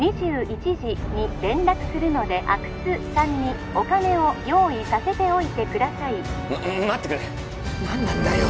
☎２１時に連絡するので☎阿久津さんにお金を用意させておいてくださいまっ待ってくれ何なんだよ